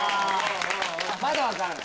まだわからない。